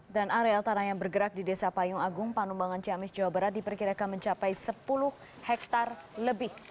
dan areal tanah yang bergerak di desa payung agung panumbangan ciamis jawa barat diperkirakan mencapai sepuluh hektare lebih